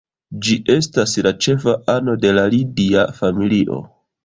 Ĝi estas la ĉefa ano de la Lidia familio.